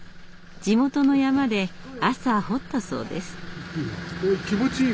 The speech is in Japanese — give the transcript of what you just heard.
地元の山で朝掘ったそうです。